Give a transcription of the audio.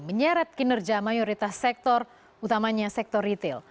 menyeret kinerja mayoritas sektor utamanya sektor retail